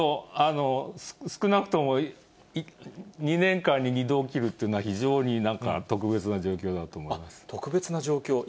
少なくとも、２年間に２度起きるというのは非常になんか、特別な状況だと思い特別な状況。